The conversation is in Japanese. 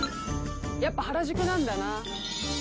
やっぱ原宿なんだな。